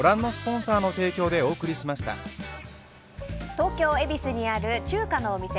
東京・恵比寿にある中華のお店